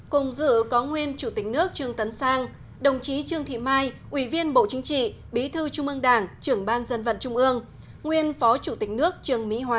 cùng dự có nguyên chủ tịch nước trương tấn sang đồng chí trương thị mai ủy viên bộ chính trị bí thư trung ương đảng trưởng ban dân vận trung ương nguyên phó chủ tịch nước trương mỹ hoa